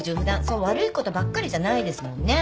そう悪いことばっかりじゃないですもんね。